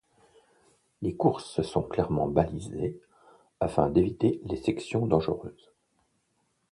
Les courses sont clairement balisées afin d'éviter les sections dangereuses.